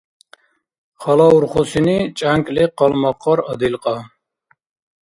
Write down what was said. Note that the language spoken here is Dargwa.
Халаурхусини чӀянкӀли къалмакъар адилкьа.